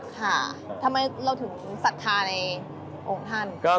ค่ะทำไมเราถึงศรัทธาในองค์ท่าน